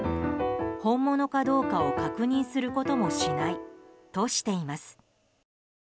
本物かどうかを確認することもしないとしています。